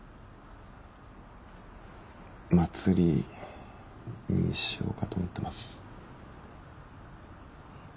「まつり」にしようかと思ってます。